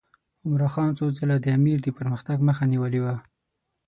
عمرا خان څو ځله د امیر د پرمختګ مخه نیولې وه.